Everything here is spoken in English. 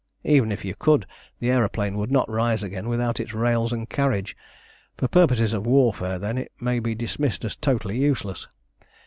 Even if you could the Aëroplane would not rise again without its rails and carriage. For purposes of warfare, then, it may be dismissed as totally useless.